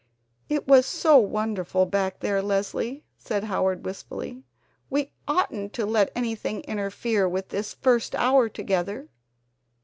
"It was so wonderful back there, Leslie," said Howard wistfully. "We oughtn't to let anything interfere with this first hour together."